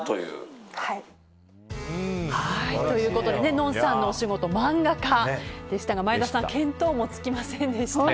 ＮＯＮさんのお仕事は漫画家でしたが前田さん見当もつきませんでしたね。